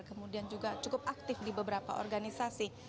kemudian juga cukup aktif di beberapa organisasi